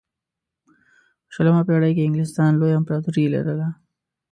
په شلمه پېړۍ کې انګلستان لویه امپراتوري لرله.